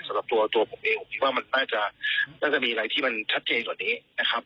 สำหรับตัวผมเองผมคิดว่ามันน่าจะมีอะไรที่มันชัดเจนกว่านี้นะครับ